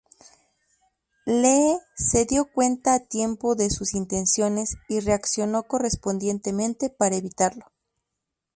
Lee se dio cuenta a tiempo de sus intenciones y reaccionó correspondientemente para evitarlo.